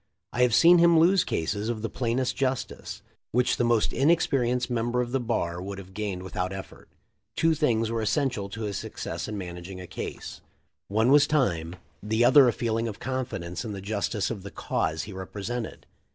I have seen him lose cases of the plainest justice, which the most inexperienced member of the bar would have gained without effort. Two things were essential to his success in managing a case. One was time; 338 THE LIFE 0F LINCOLN. the other a feeling of confidence in the justice of the cause he represented.